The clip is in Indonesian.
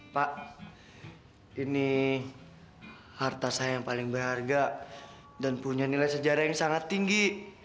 pak ini harta saya yang paling berharga dan punya nilai sejarah yang sangat tinggi